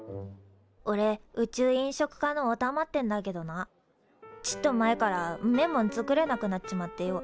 おれ宇宙飲食科のおたまってんだけどなちっと前からんめえもん作れなくなっちまってよ